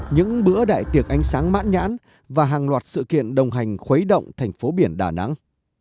những bữa đại tiệc ánh sáng mãn nhãn và hàng loạt sự kiện đồng hành khuấy động thành phố biển đà nẵng